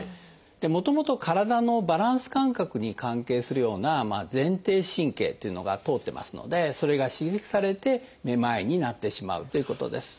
もともと体のバランス感覚に関係するような前庭神経というのが通ってますのでそれが刺激されてめまいになってしまうということです。